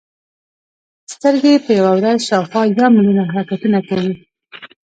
سترګې په یوه ورځ شاوخوا یو ملیون حرکتونه کوي.